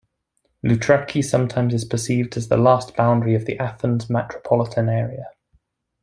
Loutraki sometimes is perceived as the last boundary of the Athens metropolitan area.